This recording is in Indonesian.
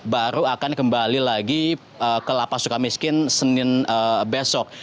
baru akan kembali lagi ke lapas suka miskin senin besok